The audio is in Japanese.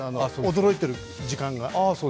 驚いている時間が。